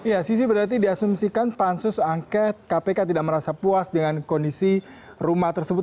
ya sisi berarti diasumsikan pansus angket kpk tidak merasa puas dengan kondisi rumah tersebut